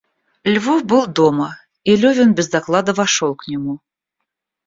Львов был дома, и Левин без доклада вошел к нему.